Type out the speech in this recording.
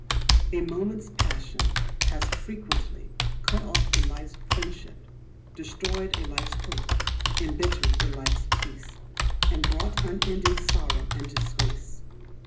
A moment's passion has frequently cut off a life's friendship, destroyed a life's hope, embittered a life's peace, and brought unending sorrow and disgrace.